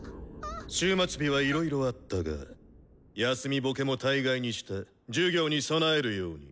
終末日はいろいろあったが休みボケも大概にして授業に備えるように。